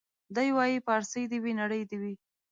دی وايي پارسۍ دي وي نرۍ دي وي